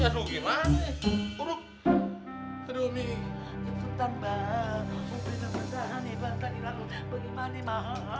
wah umi aduh gimana